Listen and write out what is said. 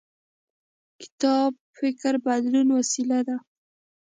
کتاب د فکر بدلون وسیله ده.